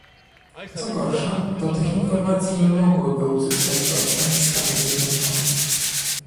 Co gorsza, do tych informacji mogłyby uzyskać dostęp Stany Zjednoczone